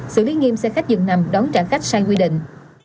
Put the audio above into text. xử lý nghiêm xe khách dừng nằm đón trả khách sai quy định